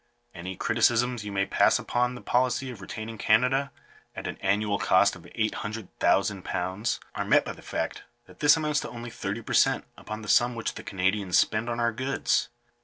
Any criticisms you may pass upon th^ policy of retaining Canada, at an annual cost of £800,000, are met by the fact that this amounts to only 30 per cent upon the sum which the Canadians spend on our goods*.